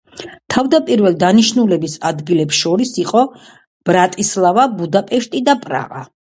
თავდაპირველ დანიშნულების ადგილებს შორის იყო: ბრატისლავა, ბუდაპეშტი და პრაღა.